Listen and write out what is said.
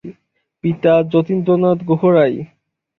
পিতা যতীন্দ্রনাথ গুহরায়।